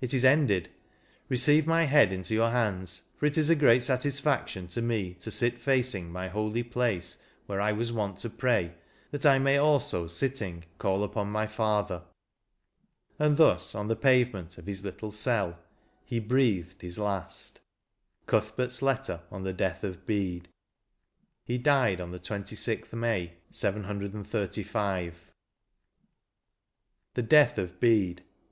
It is ended ; receive my head into your hands, for it is a great satisfaction to me to sit facing my holy place, where I was wont to pray, that I may also sitting call upon my Father/ And thus, on the pavement of his little cell, he breathed his last/* — Cuthberfs Letter on the Death of Bede, He died on the g6th May, 735. 47 XXIII. THE DEATH OF BEDE.